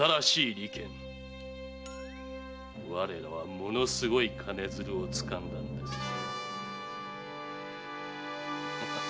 我らはものすごい金づるを掴んだのですよ。